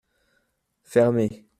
Fermez !